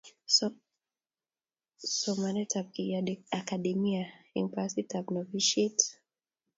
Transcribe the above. somanetab kiakademia eng pasitab nobishet